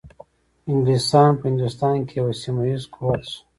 انګلیسان په هندوستان کې یو سیمه ایز قوت شو.